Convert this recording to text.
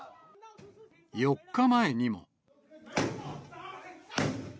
４日前にも。